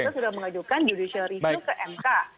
kita sudah mengajukan judicial review ke mk